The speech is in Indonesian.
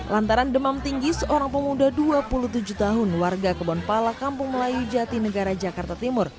lantaran demam tinggi seorang pemuda dua puluh tujuh tahun warga kebonpala kampung melayu jati negara jakarta timur